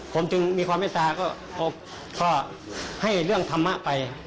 ผมจึงมีความเมตตาก็ให้เรื่องธรรมะไป